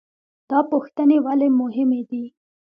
دا پوښتنې ولې مهمې دي؟